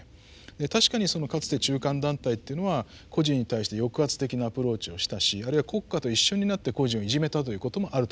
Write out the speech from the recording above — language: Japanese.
確かにかつて中間団体というのは個人に対して抑圧的なアプローチをしたしあるいは国家と一緒になって個人をいじめたということもあると思います。